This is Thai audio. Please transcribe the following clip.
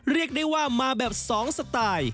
เรียกได้ว่ามาแบบ๒สไตล์